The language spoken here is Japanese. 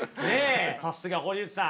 さすが堀内さん。